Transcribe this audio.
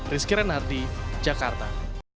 rizky renardi jakarta